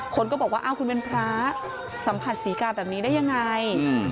คนก็บอกว่าอ้าวคุณเป็นพระสัมผัสศรีกาแบบนี้ได้ยังไง